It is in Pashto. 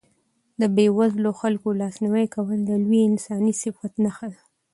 د بېوزلو خلکو لاسنیوی کول د لوی انساني صفت نښه ده.